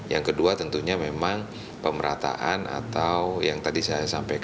yang kedua tentunya memang pemerataan atau yang tadi saya sampaikan bbm yang berkeadilan